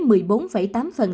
cao gần gấp ba lần